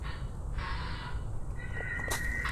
شراب پلورل یواځینی کسب دی چي هیڅکله نه رخصتیږي.